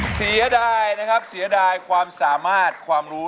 เสียดายนะครับเสียดายความสามารถความรู้